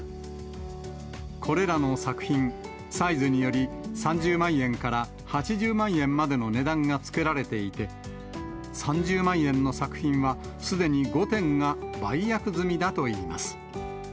これらの作品、サイズにより、３０万円から８０万円までの値段がつけられていて、３０万円の作品は、すでに５点が売約済みだといいます。